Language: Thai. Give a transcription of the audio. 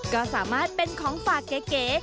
ก็สามารถเป็นของฝากเก๋